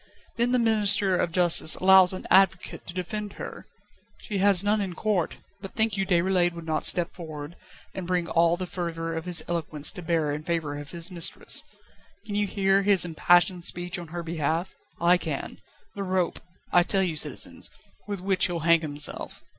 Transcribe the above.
Then the Minister of Justice allows an advocate to defend her. She has none in court; but think you Déroulède would not step forward, and bring all the fervour of his eloquence to bear in favour of his mistress? Can you hear his impassioned speech on her behalf? I can the rope, I tell you, citizens, with which he'll hang himself.